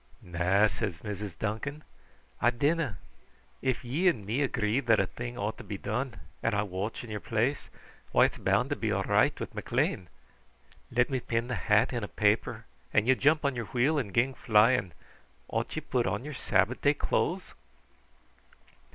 "Na," said Mrs. Duncan; "I dinna. If ye and me agree that a thing ought to be done, and I watch in your place, why, it's bound to be all right with McLean. Let me pin the hat in a paper, and ye jump on your wheel and gang flying. Ought ye put on your Sabbath day clothes?"